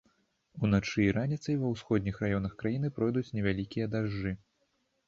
Уначы і раніцай ва ўсходніх раёнах краіны пойдуць невялікія дажджы.